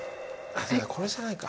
あこれじゃないか。